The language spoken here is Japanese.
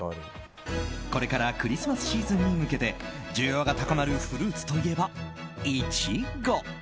これからクリスマスシーズンに向けて需要が高まるフルーツといえばイチゴ。